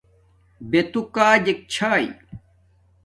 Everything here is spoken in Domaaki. بے توُ کجک چھݴݷ